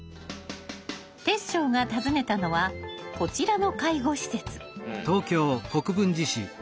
煌翔が訪ねたのはこちらの介護施設。